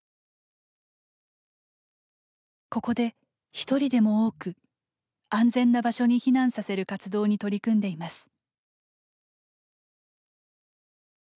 ここで、１人でも多く安全な場所に避難させる活動に取り組んでいます。